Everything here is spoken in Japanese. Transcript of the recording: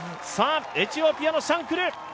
エチオピアのシャンクル。